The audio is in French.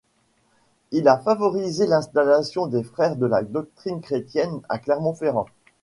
Il a favorisé l'installation des frères de la doctrine chrétienne à Clermont-Ferrand.